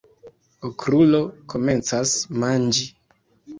Okrulo komencas manĝi.